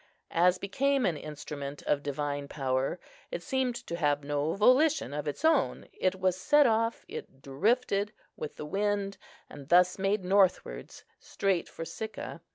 As became an instrument of divine power, it seemed to have no volition of its own; it was set off, it drifted, with the wind, and thus made northwards, straight for Sicca.